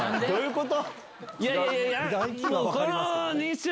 どういうこと？